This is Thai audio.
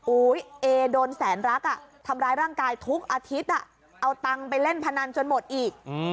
เอโดนแสนรักทำร้ายร่างกายทุกอาทิตย์เอาตังค์ไปเล่นพนันจนหมดอีก